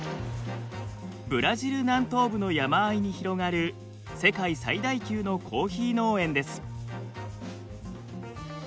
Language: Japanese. ブラジル南東部の山あいに広がる世界最大級のコーヒー農園です。